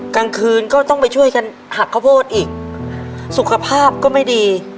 กลางคืนก็ต้องไปช่วยกันหักข้าวโพดอีกสุขภาพก็ไม่ดี